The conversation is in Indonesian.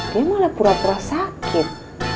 dia malah pura pura sakit